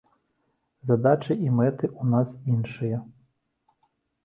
Задачы і мэты ў нас іншыя.